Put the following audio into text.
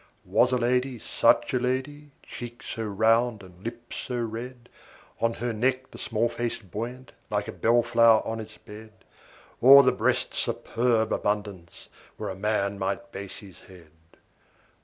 Was a lady such a lady, cheeks so round and lips so red, On her neck the small face buoyant, like a bell flower on its bed, O'er the breast's superb abundance where a man might base his head?